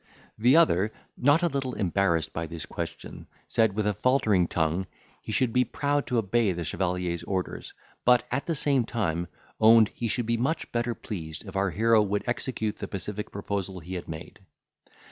The other, not a little embarrassed by this question, said, with a faltering tongue, he should be proud to obey the chevalier's orders; but, at the same time, owned he should be much better pleased if our hero would execute the pacific proposal he had made.